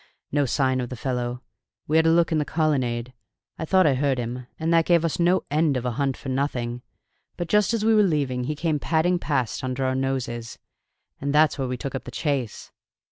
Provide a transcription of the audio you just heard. No sign of the fellow! We had a look in the colonnade I thought I heard him and that gave us no end of a hunt for nothing. But just as we were leaving he came padding past under our noses, and that's where we took up the chase.